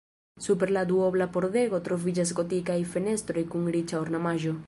Super la duobla pordego troviĝas gotikaj fenestroj kun riĉa ornamaĵo.